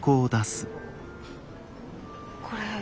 これ。